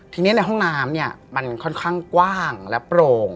ทีนี้ในห้องน้ำเนี่ยมันค่อนข้างกว้างและโปร่ง